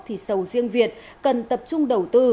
thì sầu riêng việt cần tập trung đầu tư